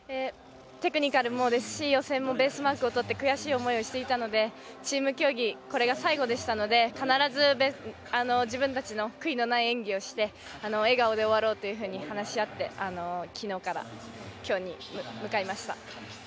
テクニカルもですし予選もベースマークをとって悔しい思いをしていたのでチーム競技これが最後でしたので必ず自分たちの悔いのない演技をして笑顔で終わろうと話し合って昨日から今日に向かいました。